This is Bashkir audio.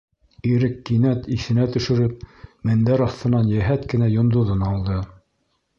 Ирек, кинәт иҫенә төшөрөп, мендәр аҫтынан йәһәт кенә йондоҙон алды.